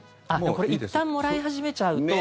これいったんもらい始めちゃうと。